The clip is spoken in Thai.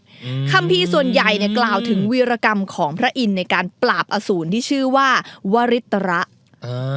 อืมคัมภีร์ส่วนใหญ่เนี้ยกล่าวถึงวีรกรรมของพระอินทร์ในการปราบอสูรที่ชื่อว่าวริตระอ่า